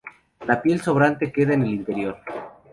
La piel sobrante queda en el interior.